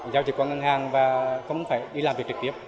giao dịch qua ngân hàng và không phải đi làm việc trực tiếp